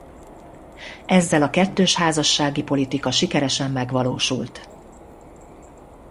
Ezzel a kettős házassági politika sikeresen megvalósult.